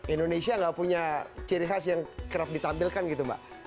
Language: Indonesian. indonesia nggak punya ciri khas yang kerap ditampilkan gitu mbak